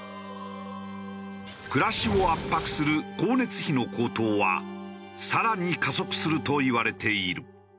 暮らしを圧迫する光熱費の高騰は更に加速するといわれている。